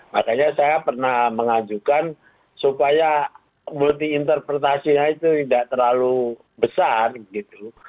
makanya saya pernah mengajukan supaya multi interpretasinya itu tidak terlalu besar gitu